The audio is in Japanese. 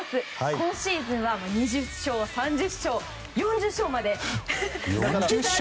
今シーズンは２０勝、３０勝４０勝まで。